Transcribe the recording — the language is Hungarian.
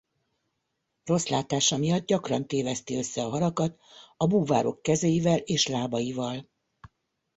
Rossz látása miatt gyakran téveszti össze a halakat a búvárok kezeivel és lábaival.